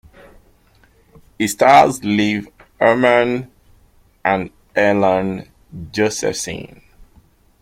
It stars Liv Ullmann and Erland Josephson.